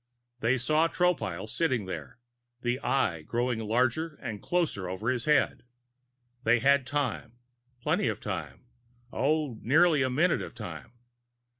They saw Tropile sitting there, the Eye growing larger and closer over his head. They had time plenty of time; oh, nearly a minute of time.